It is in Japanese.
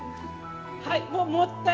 はい。